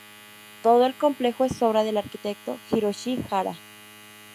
Todo el complejo es obra del arquitecto Hiroshi Hara.